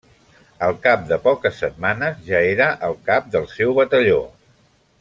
Al cap de poques setmanes ja era el cap del seu batalló.